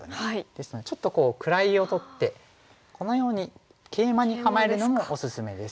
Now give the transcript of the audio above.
ですのでちょっと位を取ってこのようにケイマに構えるのもおすすめです。